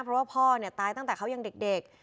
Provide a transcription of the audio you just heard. เพราะว่าพ่อตายตั้งแต่เขายังเด็ก